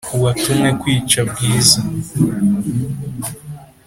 uwatumwe kwica bwiza